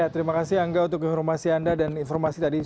terima kasih angga untuk informasi anda dan informasi tadi